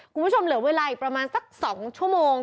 คุณผู้ชมเหลือเวลาอีกประมาณสัก๒ชั่วโมง